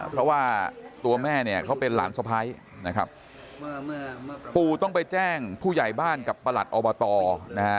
เพราะว่าตัวแม่เนี่ยเขาเป็นหลานสะพ้ายนะครับปู่ต้องไปแจ้งผู้ใหญ่บ้านกับประหลัดอบตนะฮะ